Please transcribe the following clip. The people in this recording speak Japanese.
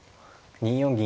２四銀